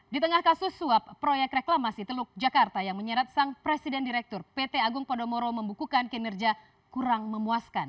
di tengah kasus suap proyek reklamasi teluk jakarta yang menyeret sang presiden direktur pt agung podomoro membukukan kinerja kurang memuaskan